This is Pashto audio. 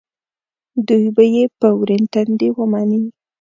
دوی به یې په ورین تندي ومني.